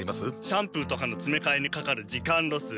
シャンプーとかのつめかえにかかる時間ロス。